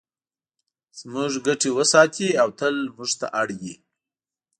زموږ ګټې وساتي او تل موږ ته اړ وي.